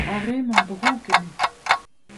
Ar re-mañ droug enne.